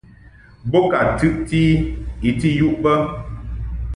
Bo ka tɨʼti I I ti yuʼ bə.